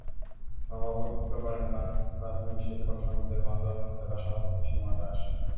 সভাপতিত্ব করেন বাংলাদেশ প্রাথমিক শিক্ষক সমিতির বান্দরবান জেলা সভাপতি সীমা দাশ।